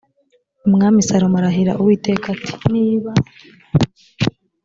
umwami salomo arahira uwiteka ati niba